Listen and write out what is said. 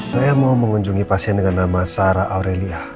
saya mau mengunjungi pasien dengan nama sarah aurelia